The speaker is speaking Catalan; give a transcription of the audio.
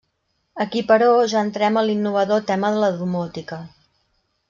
Aquí però, ja entrem a l'innovador tema de la domòtica.